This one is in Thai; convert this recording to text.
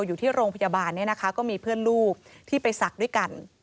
อยู่ที่โรงพยาบาลก็มีเพื่อนลูกที่ไปสักด้วยกัน